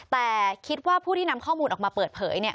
แต่คิดว่าผู้ที่นำข้อมูลออกมาเปิดเผยเนี่ย